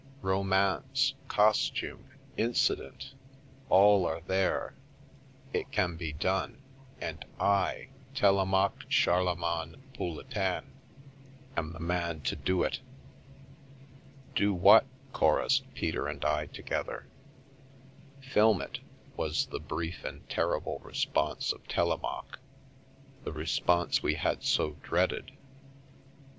Romance — costume — incident — all are there. It can be done, and I, Telemaque Charlemagne Pouletin, am the man to do it !"" Do what ?" chorussed. Peter and I together. " Film it," was the brief and terrible response of Telemaque, the response we had so dreaded.